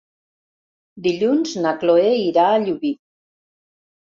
Dilluns na Cloè irà a Llubí.